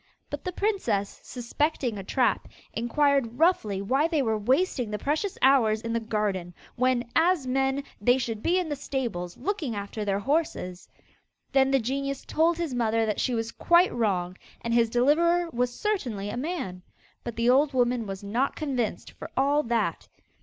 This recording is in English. But the princess, suspecting a trap, inquired roughly why they were wasting the precious hours in the garden, when, as men, they should be in the stables looking after their horses. Then the genius told his mother that she was quite wrong, and his deliverer was certainly a man. But the old woman was not convinced for all that.